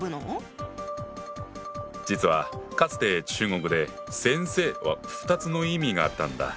実はかつて中国で「先生」は２つの意味があったんだ。